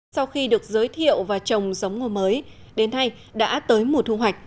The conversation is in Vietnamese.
sau khi được giới thiệu và trồng giống ngô mới đến nay đã tới mùa thu hoạch